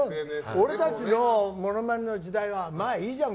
俺たちのモノマネの時代はまあ、いいじゃん